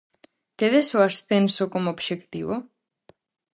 Tedes o ascenso como obxectivo?